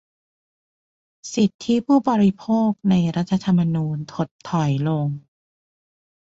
สิทธิผู้บริโภค ใน รัฐธรรมนูญ ถดถอยลง